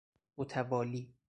متوالی